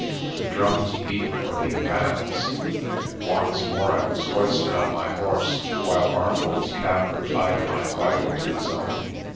The drums beat for the advance, and once more I was hoisted on my horse, while ArcolPs Kaffir tied my bridle to his own.